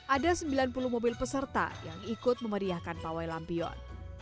ada sembilan puluh mobil peserta yang ikut memeriahkan pawai lampion